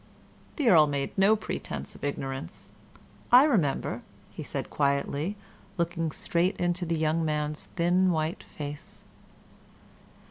The Earl made no pretence of ignorance. "I remember," said he, quietly, looking straight into the young man's thin white face.